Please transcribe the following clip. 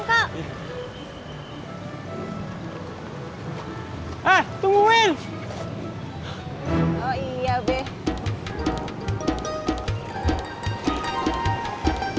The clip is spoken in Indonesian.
kita jalannya pelan pelan ya be